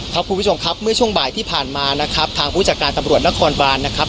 คุณผู้ชมครับเมื่อช่วงบ่ายที่ผ่านมานะครับทางผู้จัดการตำรวจนครบานนะครับ